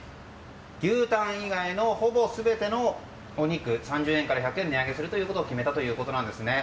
牛タン以外のほぼ全てのお肉３０円から１００円値上げすることを決めたということです。